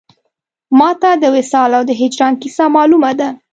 ما ته د وصال او د هجران کیسه مالومه ده